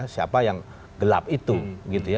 siapa yang gelap itu